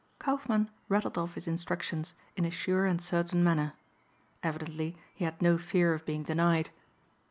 Kaufmann rattled off his instructions in a sure and certain manner. Evidently he had no fear of being denied.